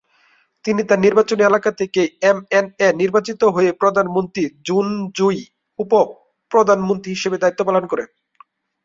তিনি তার নির্বাচনী এলাকা থেকে এমএনএ নির্বাচিত হয়ে প্রধানমন্ত্রী জুনজোয় উপ-প্রধানমন্ত্রী হিসাবে দায়িত্ব পালন করেন।